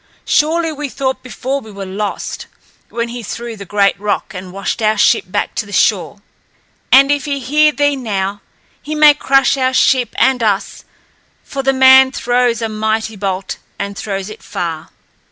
Surely we thought before we were lost, when he threw the great rock and washed our ship back to the shore. And if he hear thee now, he may crush our ship and us, for the man throws a mighty bolt and throws it far."